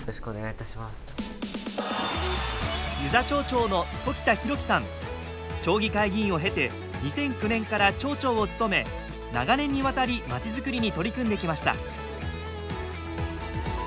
町議会議員を経て２００９年から町長を務め長年にわたり町づくりに取り組んできました。